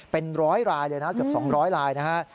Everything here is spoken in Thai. เป็นร้อยลายเลยนะครับเกือบ๒๐๐ลายนะครับ